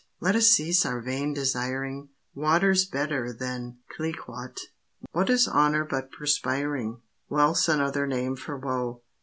Let us cease our vain desiring; Water's better than Cliquot; What is honor but perspiring? Wealth's another name for woe.